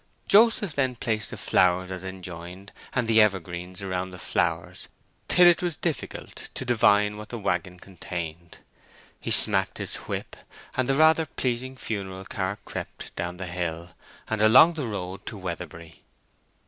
Joseph then placed the flowers as enjoined, and the evergreens around the flowers, till it was difficult to divine what the waggon contained; he smacked his whip, and the rather pleasing funeral car crept down the hill, and along the road to Weatherbury.